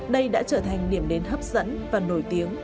đây đã trở thành điểm đến hấp dẫn và nổi tiếng